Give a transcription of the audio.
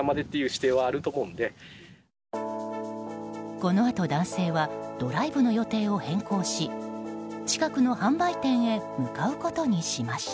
このあと男性はドライブの予定を変更し近くの販売店へ向かうことにしました。